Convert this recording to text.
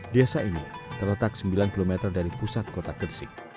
desa ini terletak sembilan km dari pusat kota gresik